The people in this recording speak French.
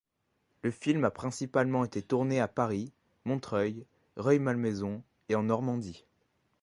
Le film a principalement été tourné à Paris, Montreuil, Rueil-Malmaison et en Normandie.